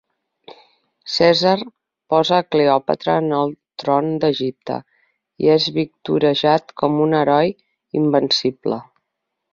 Cèsar posa a Cleòpatra en el tron d'Egipte, i és victorejat com un heroi invencible.